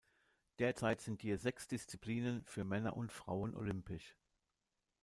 Derzeit sind je sechs Disziplinen für Männer und Frauen olympisch.